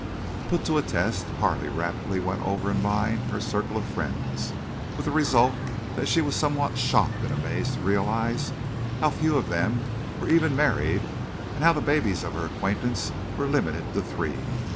Put to a test, Carley rapidly went over in mind her circle of friends, with the result that she was somewhat shocked and amazed to realize how few of them were even married, and how the babies of her acquaintance were limited to three.